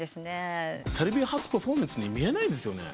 テレビ初パフォーマンスに見えないですよね。